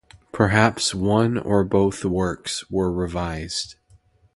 Perhaps one or both works were revised.